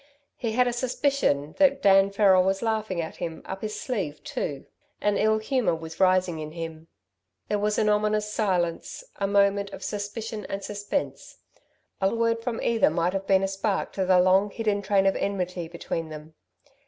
He had a suspicion than Dan Farrel was laughing at him up his sleeve too. An ill humour was rising in him. There was an ominous silence a moment of suspicion and suspense. A word from either might have been a spark to the long hidden train of enmity between them.